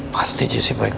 pasti jessi baik baik aja